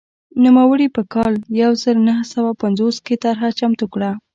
نوموړي په کال یو زر نهه سوه پنځوس کې طرحه چمتو کړه.